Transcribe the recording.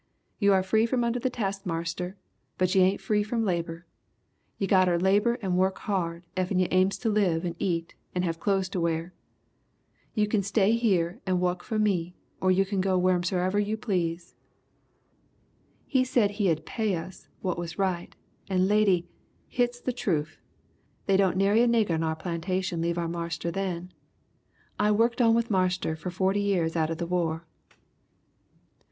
You are free from under the taskmarster but you ain't free from labor. You gotter labor and wuk hard effen you aims to live and eet and have clothes to wear. You kin stay here and wuk for me, or you kin go wharsomever you please.' He said he 'ud pay us what was right, and Lady, hit's the troof, they didn't nary a nigger on our plantation leave our marster then! I wukked on with Marster for 40 years atter the war!"